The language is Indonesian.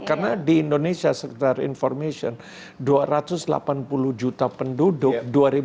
karena di indonesia sekitar information dua ratus delapan puluh juta penduduk dua dua ratus